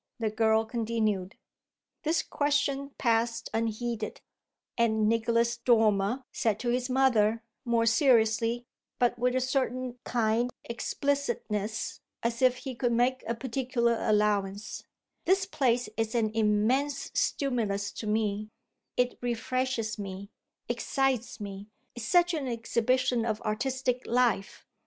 the girl continued. This question passed unheeded, and Nicholas Dormer said to his mother, more seriously, but with a certain kind explicitness, as if he could make a particular allowance: "This place is an immense stimulus to me; it refreshes me, excites me it's such an exhibition of artistic life.